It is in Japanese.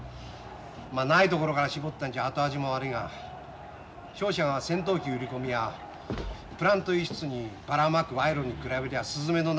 まあないところからしぼったんじゃ後味も悪いが商社が戦闘機売り込みやプラント輸出にばらまく賄賂に比べりゃスズメの涙だ。